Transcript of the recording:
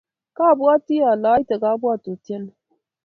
kobwoti ale iete kabwotutieni